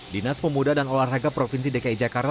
dinas pemuda dan olahraga provinsi dki jakarta